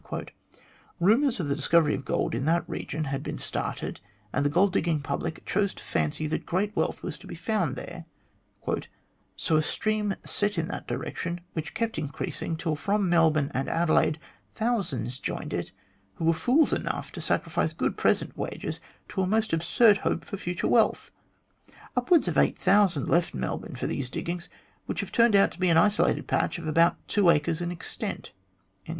Eumours of the dis covery of gold in that region had been started, and the gold digging public chose to fancy that great wealth was to be found there, " so a stream set in that direction, which kept increasing, till from Melbourne and Adelaide thousands joined it, who were fools enough to sacrifice good present wages to a most absurd hope for future wealth. Upwards of 8000 left Melbourne for these diggings, which have turned out to be an isolated patch of about two acres in extent."